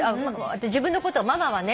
自分のこと「ママはね」